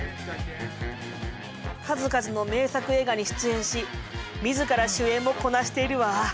数々の名作映画に出演し自ら主演もこなしているわ！